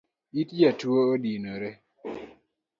It jatuo odinore